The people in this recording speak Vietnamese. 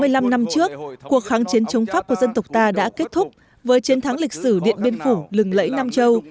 sáu mươi năm năm trước cuộc kháng chiến chống pháp của dân tộc ta đã kết thúc với chiến thắng lịch sử điện biên phủ lừng lẫy nam châu